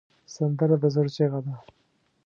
سندره د زړه چیغه ده